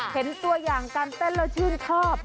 เห็นตัวอย่างการเต้นแล้วชื่นชอบ